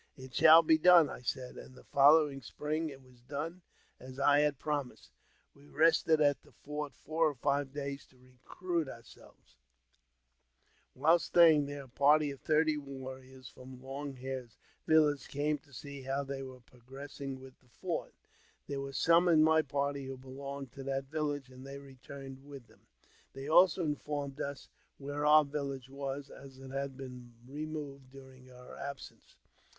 " It shall be done," I said ; and the following spring it ws done as I had promised. We rested at the fort four or five days to recruit ourselves;^ While staying there, a party of thirty warriors from Loi Hair's village came to see how they were progressing with fort. There were some in my party who belonged to that village, and they returned with them. They also informed us where our village was, as it had been removed during our absence.